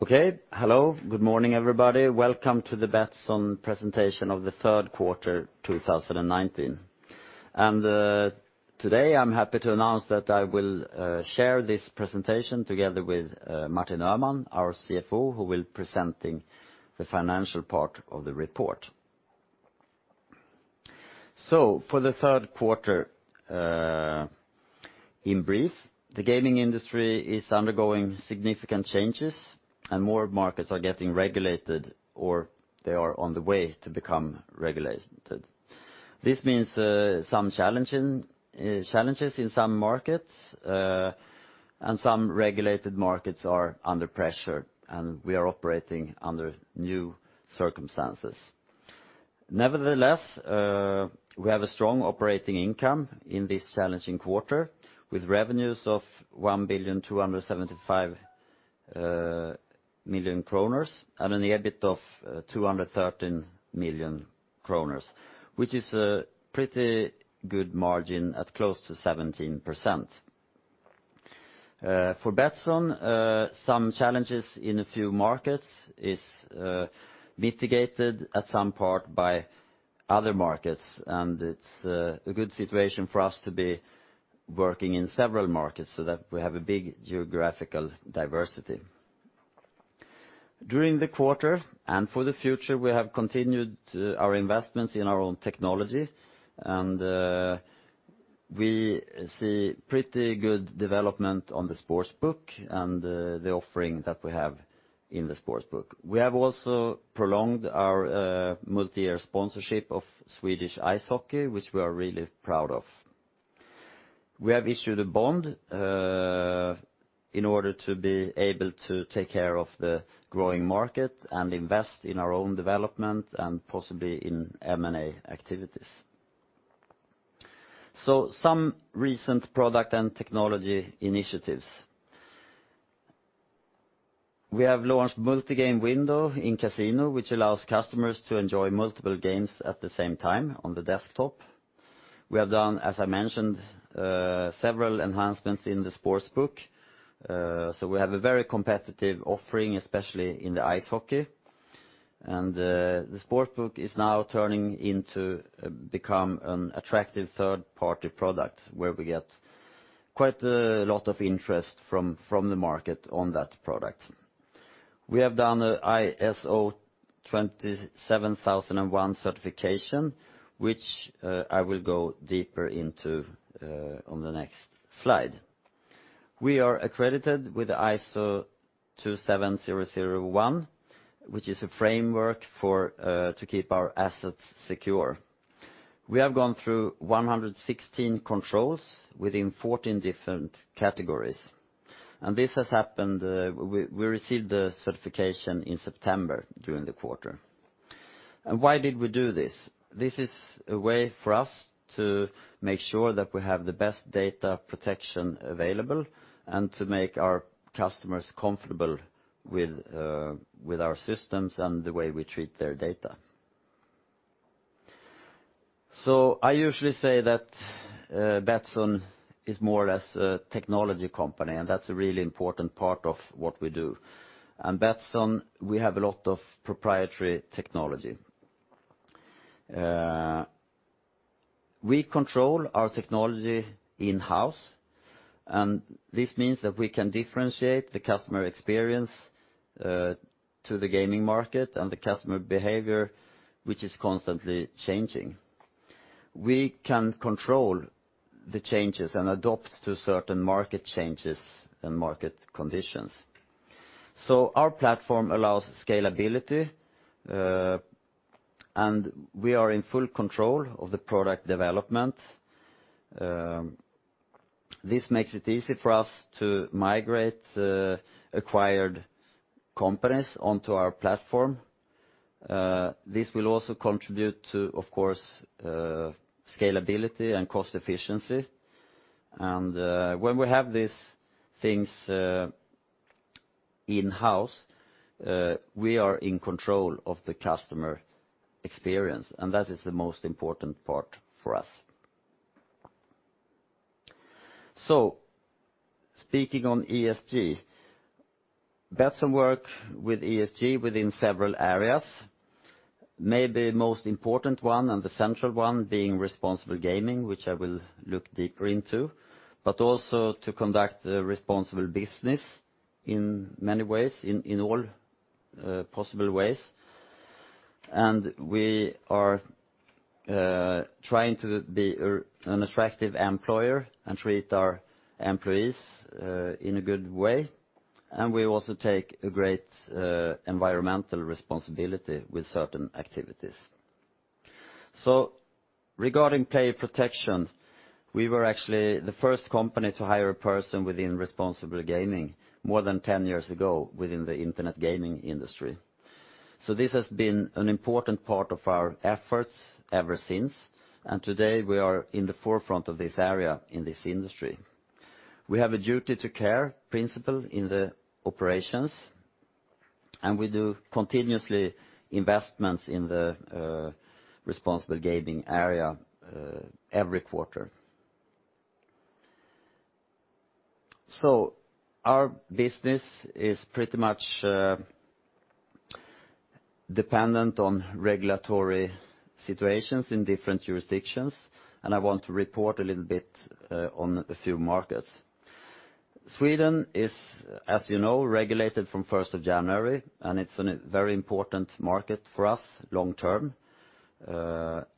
Hello. Good morning, everybody. Welcome to the Betsson presentation of the third quarter 2019. Today, I'm happy to announce that I will share this presentation together with Martin Öhman, our CFO, who will presenting the financial part of the report. For the third quarter, in brief, the gaming industry is undergoing significant changes and more markets are getting regulated, or they are on the way to become regulated. This means some challenges in some markets, and some regulated markets are under pressure, and we are operating under new circumstances. Nevertheless, we have a strong operating income in this challenging quarter, with revenues of 1,275 million kronor and an EBIT of 213 million kronor, which is a pretty good margin at close to 17%. For Betsson, some challenges in a few markets is mitigated at some part by other markets, and it's a good situation for us to be working in several markets so that we have a big geographical diversity. During the quarter, and for the future, we have continued our investments in our own technology, and we see pretty good development on the sportsbook and the offering that we have in the sportsbook. We have also prolonged our multi-year sponsorship of Swedish ice hockey, which we are really proud of. We have issued a bond in order to be able to take care of the growing market and invest in our own development and possibly in M&A activities. Some recent product and technology initiatives. We have launched multi-game window in casino, which allows customers to enjoy multiple games at the same time on the desktop. We have done, as I mentioned, several enhancements in the sportsbook. We have a very competitive offering, especially in the ice hockey. The sportsbook is now turning into become an attractive third-party product, where we get quite a lot of interest from the market on that product. We have done a ISO/IEC 27001 certification, which I will go deeper into on the next slide. We are accredited with the ISO/IEC 27001, which is a framework to keep our assets secure. We have gone through 116 controls within 14 different categories. This has happened. We received the certification in September during the quarter. Why did we do this? This is a way for us to make sure that we have the best data protection available and to make our customers comfortable with our systems and the way we treat their data. I usually say that Betsson is more or less a technology company, and that's a really important part of what we do. In Betsson, we have a lot of proprietary technology. We control our technology in-house, and this means that we can differentiate the customer experience to the gaming market and the customer behavior, which is constantly changing. We can control the changes and adopt to certain market changes and market conditions. Our platform allows scalability, and we are in full control of the product development. This makes it easy for us to migrate acquired companies onto our platform. This will also contribute to, of course, scalability and cost efficiency. When we have these things in-house, we are in control of the customer experience, and that is the most important part for us. Speaking on ESG, Betsson work with ESG within several areas. Maybe the most important one and the central one being responsible gaming, which I will look deeper into, but also to conduct responsible business in many ways, in all possible ways. We are trying to be an attractive employer and treat our employees in a good way. We also take a great environmental responsibility with certain activities. Regarding player protection, we were actually the first company to hire a person within responsible gaming more than 10 years ago within the internet gaming industry. This has been an important part of our efforts ever since, and today we are in the forefront of this area in this industry. We have a duty to care principle in the operations. We do continuously investments in the responsible gaming area every quarter. Our business is pretty much dependent on regulatory situations in different jurisdictions, and I want to report a little bit on a few markets. Sweden is, as you know, regulated from 1st of January, and it's a very important market for us long term.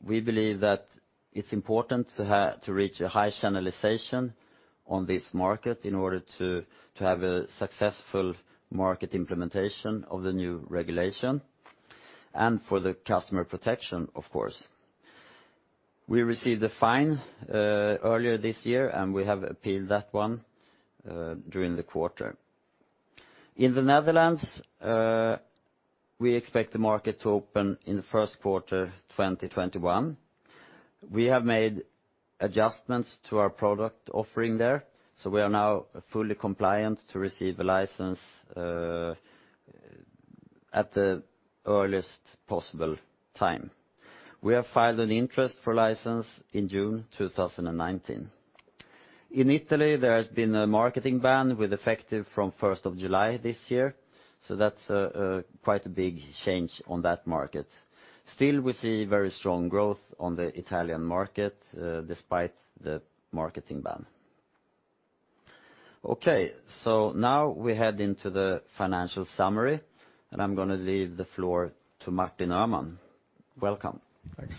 We believe that it's important to reach a high channelization on this market in order to have a successful market implementation of the new regulation and for the customer protection, of course. We received a fine earlier this year, and we have appealed that one during the quarter. In the Netherlands, we expect the market to open in the first quarter 2021. We have made adjustments to our product offering there, so we are now fully compliant to receive a license at the earliest possible time. We have filed an interest for license in June 2019. In Italy, there has been a marketing ban with effective from 1st of July this year, so that's quite a big change on that market. Still, we see very strong growth on the Italian market despite the marketing ban. Now we head into the financial summary, and I'm going to leave the floor to Martin Öhman. Welcome. Thanks.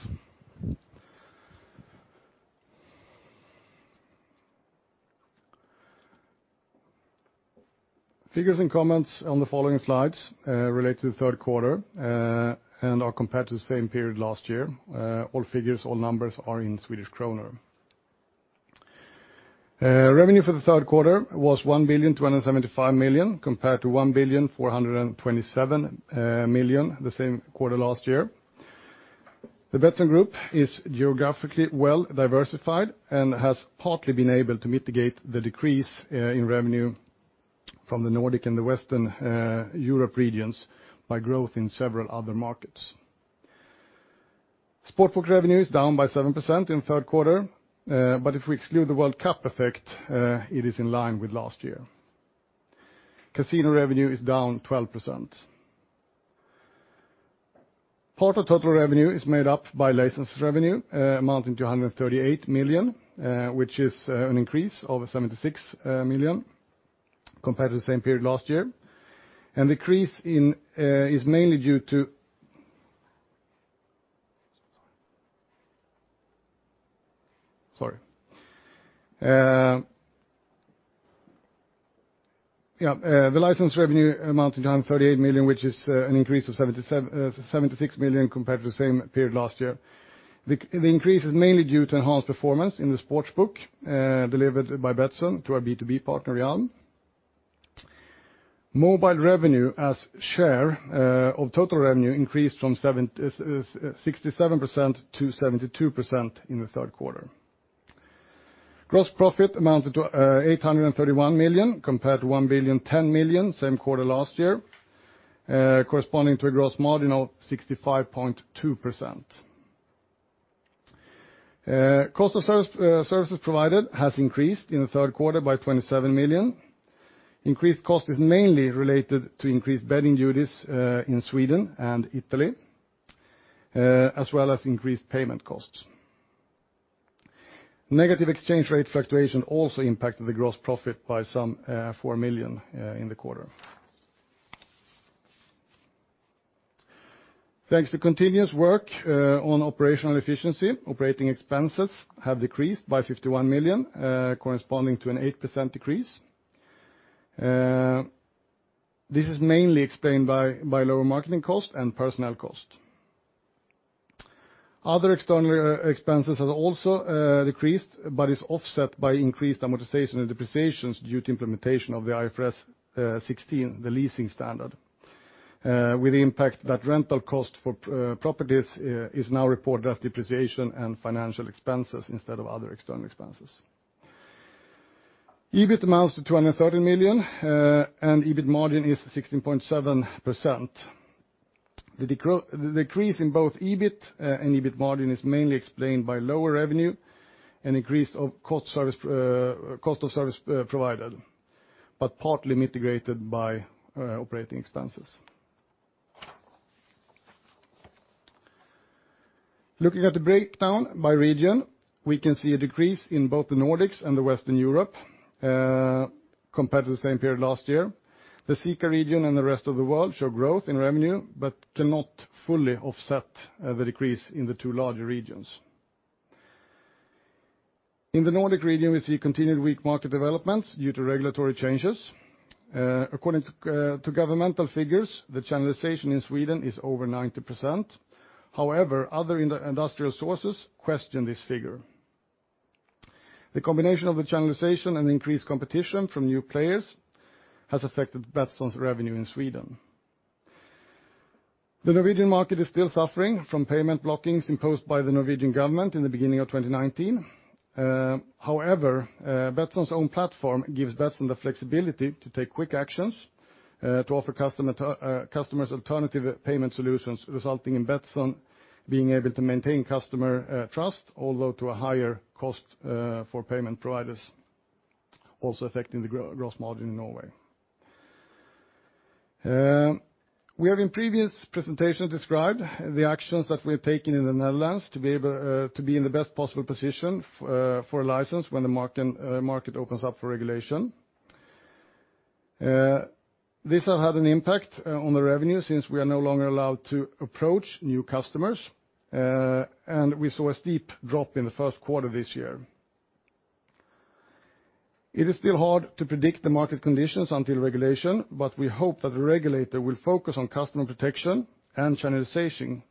Figures and comments on the following slides relate to the third quarter and are compared to the same period last year. All figures, all numbers are in Swedish krona. Revenue for the third quarter was 1,275,000,000 compared to 1,427,000,000 the same quarter last year. The Betsson Group is geographically well-diversified and has partly been able to mitigate the decrease in revenue from the Nordic and the Western Europe regions by growth in several other markets. sportsbook revenue is down by 7% in the third quarter, but if we exclude the World Cup effect, it is in line with last year. casino revenue is down 12%. Part of total revenue is made up by licensed revenue, amounting to 138 million, which is an increase of 76 million compared to the same period last year, an increase is mainly due to. The license revenue amounted to 138 million, which is an increase of 76 million compared to the same period last year. The increase is mainly due to enhanced performance in the sportsbook delivered by Betsson to our B2B partner, Rialto. Mobile revenue as share of total revenue increased from 67% to 72% in the third quarter. Gross profit amounted to 831 million compared to 1,010 million same quarter last year, corresponding to a gross margin of 65.2%. Cost of services provided has increased in the third quarter by 27 million. Increased cost is mainly related to increased betting duties in Sweden and Italy, as well as increased payment costs. Negative exchange rate fluctuation also impacted the gross profit by some 4 million in the quarter. Thanks to continuous work on operational efficiency, operating expenses have decreased by 51 million, corresponding to an 8% decrease. This is mainly explained by lower marketing cost and personnel cost. Other external expenses have also decreased but is offset by increased amortization and depreciations due to implementation of the IFRS 16, the leasing standard, with the impact that rental cost for properties is now reported as depreciation and financial expenses instead of other external expenses. EBIT amounts to 213 million, and EBIT margin is 16.7%. The decrease in both EBIT and EBIT margin is mainly explained by lower revenue and increase of cost of service provided, but partly mitigated by operating expenses. Looking at the breakdown by region, we can see a decrease in both the Nordics and Western Europe compared to the same period last year. The CEECA region and the rest of the world show growth in revenue, but cannot fully offset the decrease in the two larger regions. In the Nordic region, we see continued weak market developments due to regulatory changes. According to governmental figures, the channelization in Sweden is over 90%. Other industrial sources question this figure. The combination of the channelization and increased competition from new players has affected Betsson's revenue in Sweden. The Norwegian market is still suffering from payment blockings imposed by the Norwegian government in the beginning of 2019. Betsson's own platform gives Betsson the flexibility to take quick actions to offer customers alternative payment solutions, resulting in Betsson being able to maintain customer trust, although to a higher cost for payment providers, also affecting the gross margin in Norway. We have in previous presentations described the actions that we're taking in the Netherlands to be in the best possible position for a license when the market opens up for regulation. This has had an impact on the revenue since we are no longer allowed to approach new customers, and we saw a steep drop in the first quarter this year. It is still hard to predict the market conditions until regulation, but we hope that the regulator will focus on customer protection and channelization,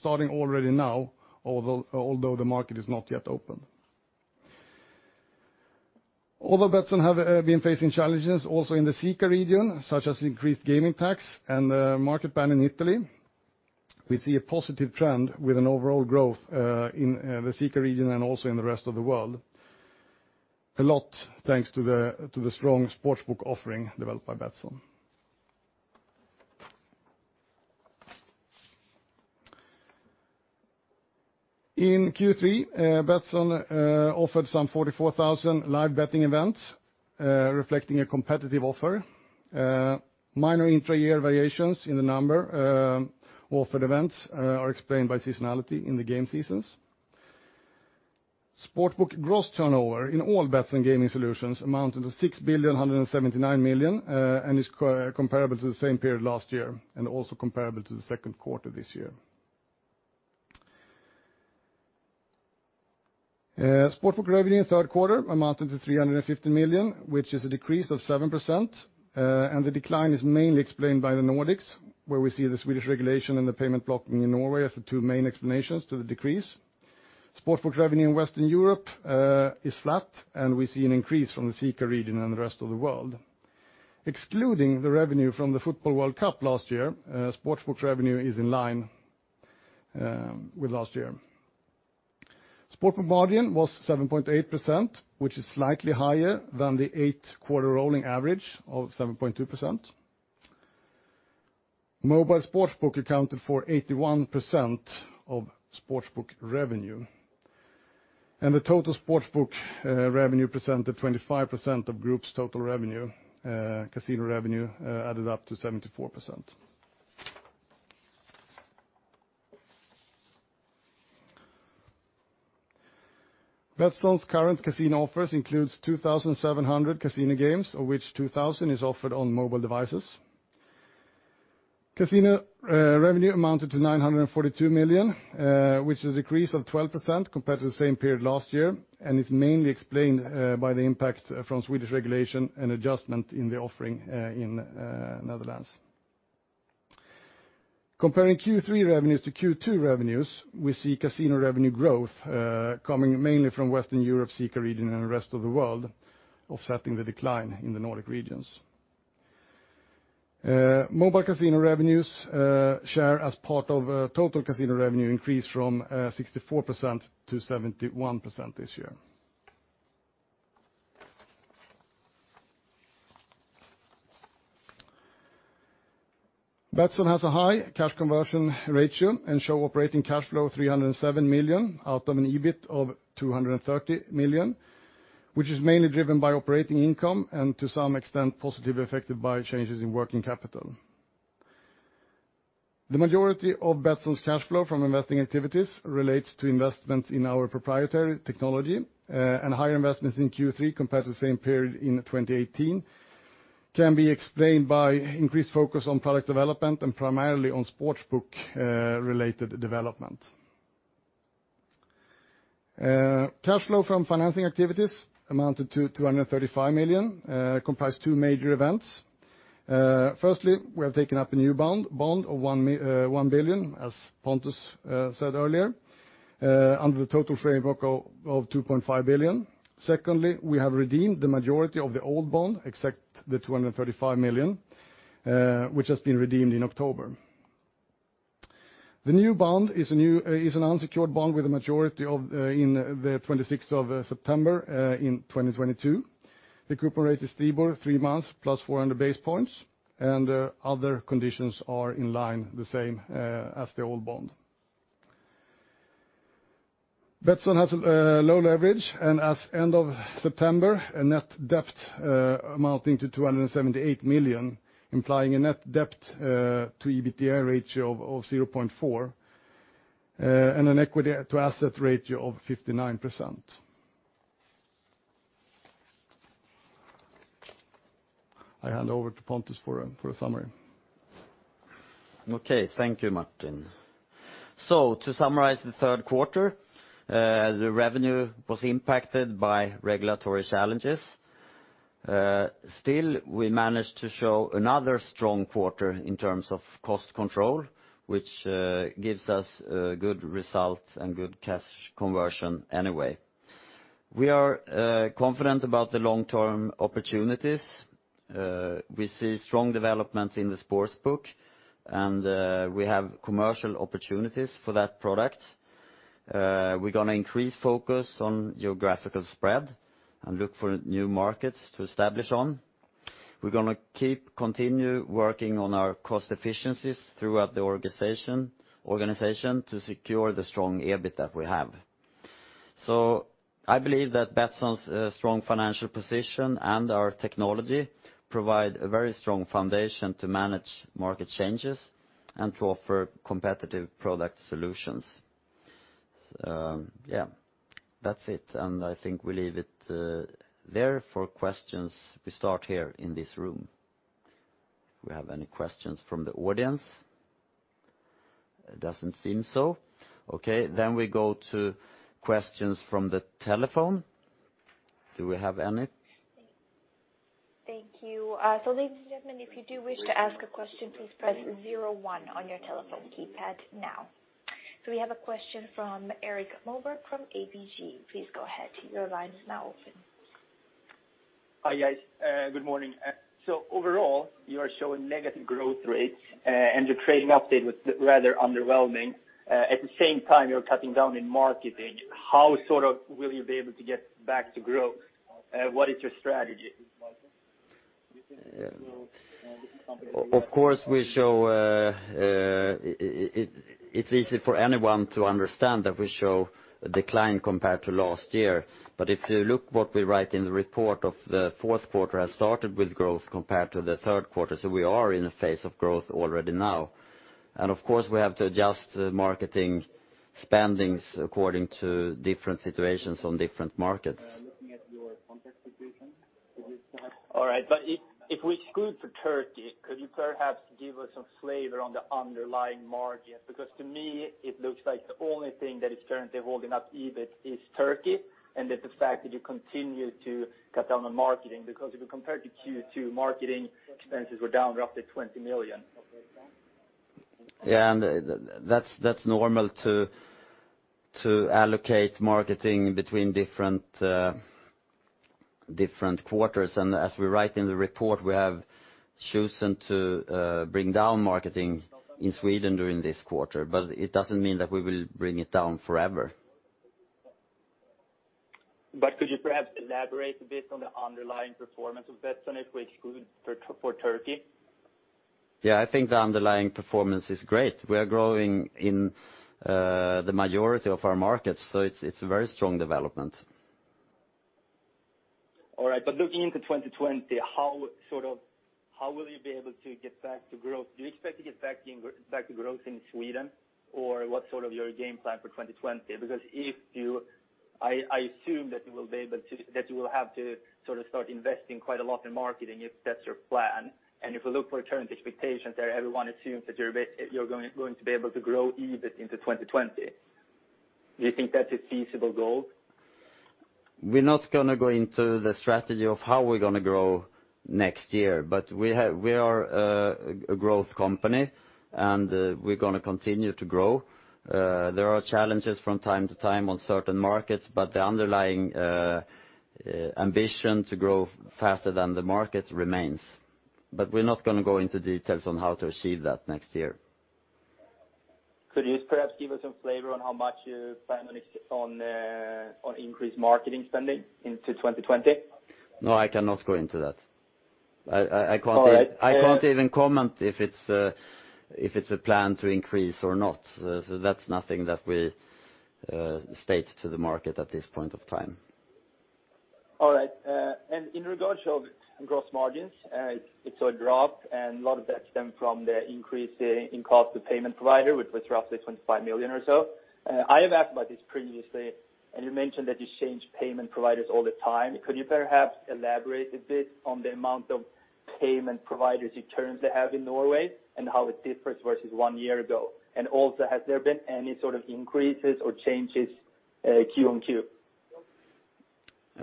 starting already now, although the market is not yet open. Although Betsson have been facing challenges also in the CEECA region, such as increased gaming tax and the market ban in Italy, we see a positive trend with an overall growth in the CEECA region and also in the rest of the world, a lot thanks to the strong sportsbook offering developed by Betsson. In Q3, Betsson offered some 44,000 live betting events, reflecting a competitive offer. Minor intra-year variations in the number of offered events are explained by seasonality in the game seasons. Sportsbook gross turnover in all Betsson Gaming solutions amounted to 6,179,000,000 and is comparable to the same period last year and also comparable to the second quarter this year. Sportsbook revenue in the third quarter amounted to 350 million, which is a decrease of 7%, and the decline is mainly explained by the Nordics, where we see the Swedish regulation and the payment blocking in Norway as the two main explanations to the decrease. Sportsbook revenue in Western Europe is flat, and we see an increase from the SICA region and the rest of the world. Excluding the revenue from the football World Cup last year, sportsbook revenue is in line with last year. Sportsbook margin was 7.8%, which is slightly higher than the eight-quarter rolling average of 7.2%. Mobile sportsbook accounted for 81% of sportsbook revenue, and the total sportsbook revenue presented 25% of group's total revenue. Casino revenue added up to 74%. Betsson's current casino offers includes 2,700 casino games, of which 2,000 is offered on mobile devices. Casino revenue amounted to 942 million, which is a decrease of 12% compared to the same period last year, and is mainly explained by the impact from Swedish regulation and adjustment in the offering in Netherlands. Comparing Q3 revenues to Q2 revenues, we see casino revenue growth coming mainly from Western Europe, SICA region, and the rest of the world, offsetting the decline in the Nordic regions. Mobile casino revenues share as part of total casino revenue increased from 64% to 71% this year. Betsson has a high cash conversion ratio and show operating cash flow 307 million out of an EBIT of 230 million, which is mainly driven by operating income and to some extent, positively affected by changes in working capital. The majority of Betsson's cash flow from investing activities relates to investments in our proprietary technology, and higher investments in Q3 compared to the same period in 2018 can be explained by increased focus on product development and primarily on sportsbook-related development. Cash flow from financing activities amounted to 235 million, comprised two major events. Firstly, we have taken up a new bond of 1 billion, as Pontus said earlier, under the total framework of 2.5 billion. Secondly, we have redeemed the majority of the old bond, except the 235 million, which has been redeemed in October. The new bond is an unsecured bond with the majority in the 26th of September in 2022. The coupon rate is stable, three months plus 400 base points, and other conditions are in line the same as the old bond. Betsson has low leverage, and as end of September, a net debt amounting to 278 million, implying a net debt to EBITDA ratio of 0.4, and an equity to asset ratio of 59%. I hand over to Pontus for the summary. Okay. Thank you, Martin. To summarize the third quarter, the revenue was impacted by regulatory challenges. We managed to show another strong quarter in terms of cost control, which gives us good results and good cash conversion anyway. We are confident about the long-term opportunities. We see strong developments in the sportsbook, and we have commercial opportunities for that product. We're going to increase focus on geographical spread and look for new markets to establish on. We're going to keep continue working on our cost efficiencies throughout the organization to secure the strong EBIT that we have. I believe that Betsson's strong financial position and our technology provide a very strong foundation to manage market changes and to offer competitive product solutions. Yeah, that's it. I think we leave it there for questions. We start here in this room. Do we have any questions from the audience? It doesn't seem so. Okay, we go to questions from the telephone. Do we have any? Thank you. Ladies and gentlemen, if you do wish to ask a question, please press 01 on your telephone keypad now. We have a question from Erik Moberg from ABG. Please go ahead. Your line is now open. Hi, guys. Good morning. Overall, you are showing negative growth rates. Your trading update was rather underwhelming. At the same time, you're cutting down in marketing. How sort of will you be able to get back to growth? What is your strategy? Of course, it's easy for anyone to understand that we show a decline compared to last year. If you look what we write in the report of the fourth quarter has started with growth compared to the third quarter. We are in a phase of growth already now. Of course, we have to adjust marketing spendings according to different situations on different markets. All right, if we exclude for Turkey, could you perhaps give us some flavor on the underlying margin? To me, it looks like the only thing that is currently holding up EBIT is Turkey, and that the fact that you continue to cut down on marketing, if you compare to Q2, marketing expenses were down roughly 20 million. That's normal to allocate marketing between different quarters. As we write in the report, we have chosen to bring down marketing in Sweden during this quarter, but it doesn't mean that we will bring it down forever. Could you perhaps elaborate a bit on the underlying performance of Betsson if we exclude for Turkey? Yeah, I think the underlying performance is great. We are growing in the majority of our markets. It's a very strong development. All right, looking into 2020, how will you be able to get back to growth? Do you expect to get back to growth in Sweden? What's sort of your game plan for 2020? I assume that you will have to sort of start investing quite a lot in marketing if that's your plan. If we look for current expectations there, everyone assumes that you're going to be able to grow EBIT into 2020. Do you think that's a feasible goal? We're not going to go into the strategy of how we're going to grow next year, but we are a growth company, and we're going to continue to grow. There are challenges from time to time on certain markets, but the underlying ambition to grow faster than the market remains. We're not going to go into details on how to achieve that next year. Could you perhaps give us some flavor on how much you plan on increased marketing spending into 2020? No, I cannot go into that. All right. I can't even comment if it's a plan to increase or not. That's nothing that we state to the market at this point of time. All right. In regards of gross margins, it saw a drop, and a lot of that stemmed from the increase in cost to payment provider, which was roughly 25 million or so. I have asked about this previously, and you mentioned that you change payment providers all the time. Could you perhaps elaborate a bit on the amount of payment providers you currently have in Norway and how it differs versus one year ago? Also, has there been any sort of increases or changes Q on Q?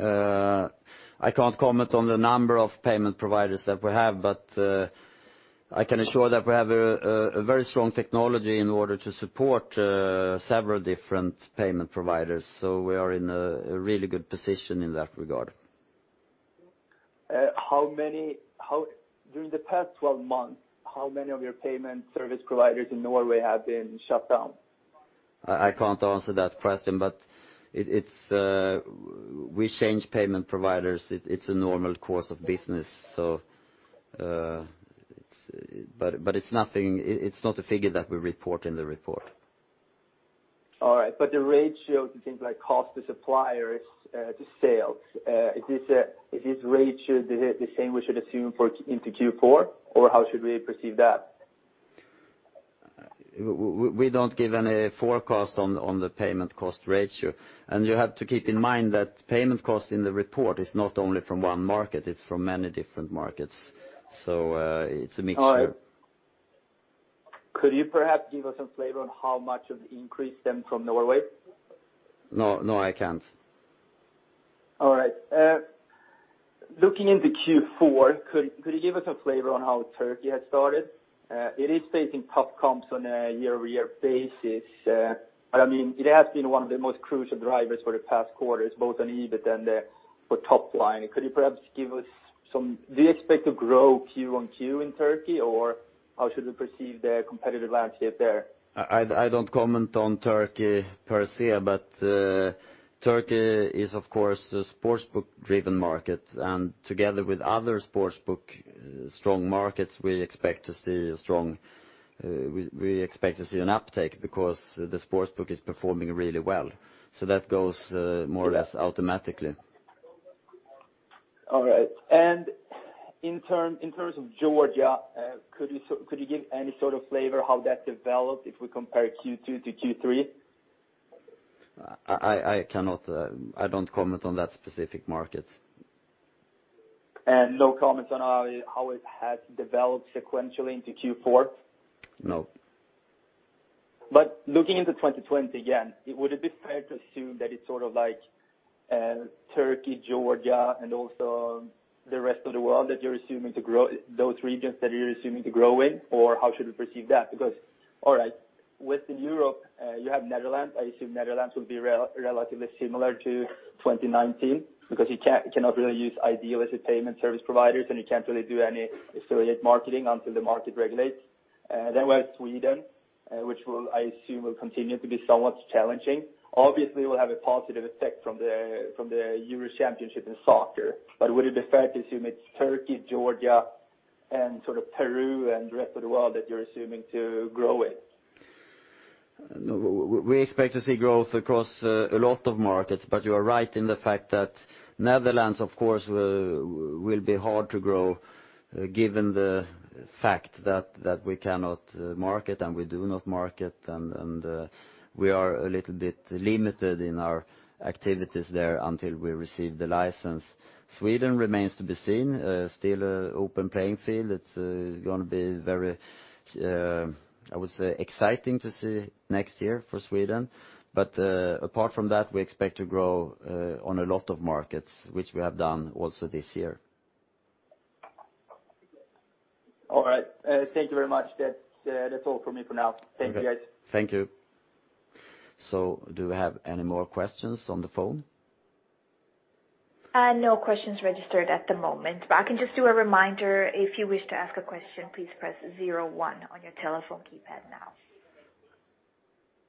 I can't comment on the number of payment providers that we have, but I can assure that we have a very strong technology in order to support several different payment providers. We are in a really good position in that regard. During the past 12 months, how many of your payment service providers in Norway have been shut down? I can't answer that question. We change payment providers. It's a normal course of business. It's not a figure that we report in the report. All right. The ratio to things like cost to suppliers to sales, is this ratio the same we should assume into Q4, or how should we perceive that? We don't give any forecast on the payment cost ratio. You have to keep in mind that payment cost in the report is not only from one market, it's from many different markets. It's a mixture. All right. Could you perhaps give us some flavor on how much of the increase stemmed from Norway? No, I can't. All right. Looking into Q4, could you give us a flavor on how Turkey has started? It is facing tough comps on a year-over-year basis. It has been one of the most crucial drivers for the past quarters, both on EBIT and for top line. Do you expect to grow Q1 Q in Turkey, or how should we perceive the competitive landscape there? I don't comment on Turkey per se, but Turkey is, of course, a sportsbook-driven market, and together with other sportsbook strong markets, we expect to see an uptick because the sportsbook is performing really well. That goes more or less automatically. All right. In terms of Georgia, could you give any sort of flavor how that developed if we compare Q2 to Q3? I don't comment on that specific market. No comments on how it has developed sequentially into Q4? No. Looking into 2020, again, would it be fair to assume that it's sort of like Turkey, Georgia, and also the rest of the world, those regions that you're assuming to grow in? Or how should we perceive that? All right, Western Europe, you have Netherlands. I assume Netherlands will be relatively similar to 2019, because you cannot really use iDEAL as a payment service provider, and you can't really do any affiliate marketing until the market regulates. We have Sweden, which I assume will continue to be somewhat challenging. Obviously, it will have a positive effect from the Euro championship in soccer. Would it be fair to assume it's Turkey, Georgia, and sort of Peru and the rest of the world that you're assuming to grow in? No, we expect to see growth across a lot of markets. You are right in the fact that Netherlands, of course, will be hard to grow, given the fact that we cannot market, and we do not market, and we are a little bit limited in our activities there until we receive the license. Sweden remains to be seen, still open playing field. It's going to be very, I would say, exciting to see next year for Sweden. Apart from that, we expect to grow on a lot of markets, which we have done also this year. All right. Thank you very much. That's all from me for now. Thank you, guys. Thank you. Do we have any more questions on the phone? No questions registered at the moment. I can just do a reminder. If you wish to ask a question, please press one on your telephone keypad now.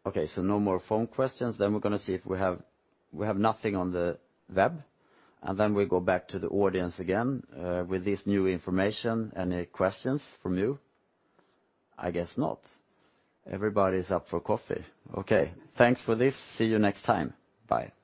Okay, no more phone questions. We're going to see if we have nothing on the web, and then we go back to the audience again with this new information. Any questions from you? I guess not. Everybody's up for coffee. Okay. Thanks for this. See you next time. Bye.